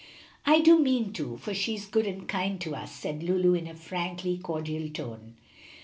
"I do mean to, for she is good and kind to us," said Lulu, in a frankly cordial tone.